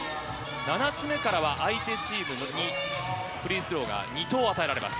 ７つ目からは、相手チームにフリースローが２投与えられます。